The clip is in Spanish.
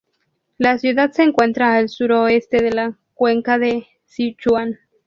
La ciudad se encuentra al suroeste de la Cuenca de Sichuan.